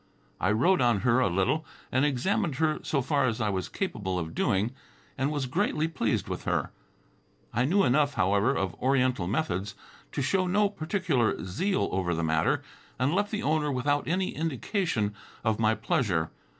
I rode on her a little and examined her so far as I was capable of doing, and was greatly pleased with her. I knew enough, however, of oriental methods, to show no particular zeal over the matter, and left the owner without any indication of my pleasure.